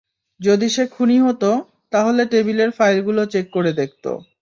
যদি সে খুনি হতো, তাহলে টেবিলের ফাইলগুলো চেক করে দেখতো।